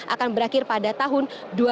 akan berakhir pada tahun dua ribu dua puluh